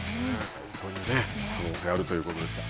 そういう可能性があるということですが。